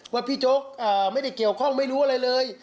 พี่โจ๊กไม่ได้เกี่ยวข้องไม่รู้อะไรเลย